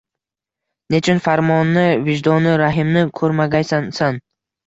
Nechun farmoni-vijdoni-rahimni koʻrmagaysan, san